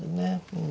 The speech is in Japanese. うん。